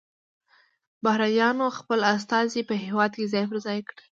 بهرنیانو خپل استازي په هیواد کې ځای پر ځای کړي